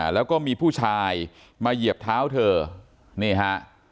แล้วก็มีผู้ชายมาเหยียบเท้าเธอนี่ฮะ